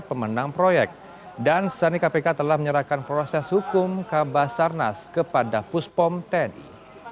pemenang proyek dan sejani kpk telah menyerahkan proses hukum ke basar nas kepada puspom tni